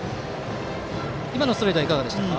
今のストレートはいかがでしたか。